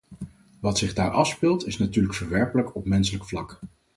Wat zich daar afspeelt is natuurlijk verwerpelijk op menselijk vlak.